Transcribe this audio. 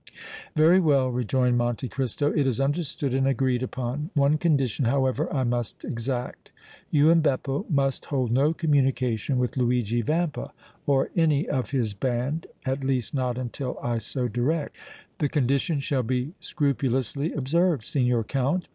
"Very well," rejoined Monte Cristo. "It is understood and agreed upon. One condition, however, I must exact. You and Beppo must hold no communication with Luigi Vampa or any of his band, at least not until I so direct." "The condition shall be scrupulously observed, Signor Count.